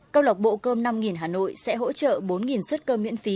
câu lạc bộ cơm năm hà nội sẽ hỗ trợ bốn suất cơm miễn phí